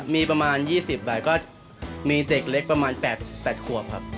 มีประมาณ๒๐บาทก็มีเด็กเล็กประมาณ๘ขวบครับ